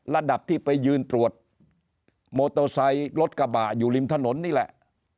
ระดับที่ไปยืนตรวจมอเตอร์ไซค์รถกระบะอยู่ริมถนนนี่แหละ